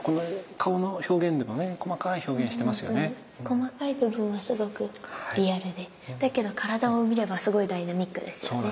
細かい部分はすごくリアルでだけど体を見ればすごいダイナミックですよね。